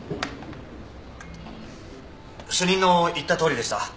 主任の言ったとおりでした。